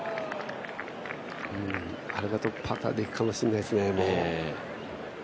あれだとパターでいくかもしれないですね。